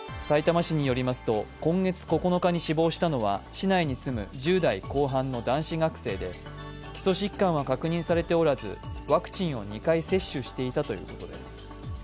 さいたま市によりますと、今月９日に死亡したのは市内に住む１０代後半の男子学生で基礎疾患は確認されておらず、ワクチンを２回接種していたということです。